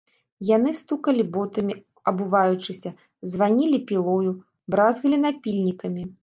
Яны стукалі ботамі, абуваючыся, званілі пілою, бразгалі напільнікамі.